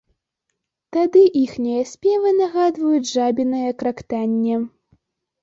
Тады іхнія спевы нагадваюць жабінае крактанне.